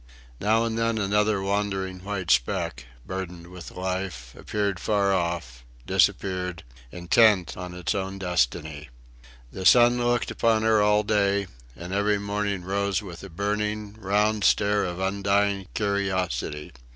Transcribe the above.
Now and then another wandering white speck, burdened with life, appeared far off disappeared; intent on its own destiny. The sun looked upon her all day, and every morning rose with a burning, round stare of undying curiosity.